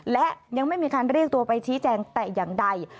และยังไม่มีการเรียกตัวไปชี้แจงแต่อย่างใด